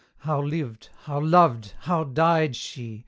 How lived how loved how died she?